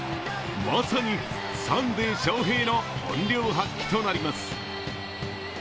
まさにサンデー翔平の本領発揮となります。